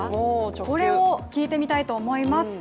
これを聞いてみたいと思います。